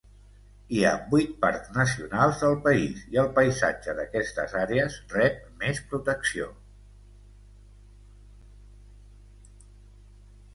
Hi ha vuit parcs nacionals al país, i el paisatge d'aquestes àrees rep més protecció.